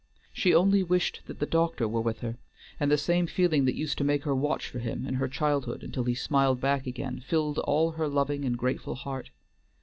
She only wished that the doctor were with her, and the same feeling that used to make her watch for him in her childhood until he smiled back again filled all her loving and grateful heart.